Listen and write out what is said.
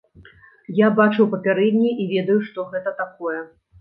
Я бачыў папярэднія і ведаю, што гэта такое.